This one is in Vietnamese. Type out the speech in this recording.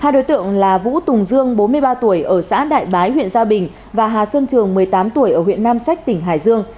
hai đối tượng là vũ tùng dương bốn mươi ba tuổi ở xã đại bái huyện gia bình và hà xuân trường một mươi tám tuổi ở huyện nam sách tỉnh hải dương